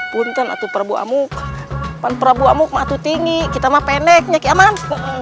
punten atuh prabu amuk pan prabu amuk mah atuh tinggi kita mah pendeknya kiaman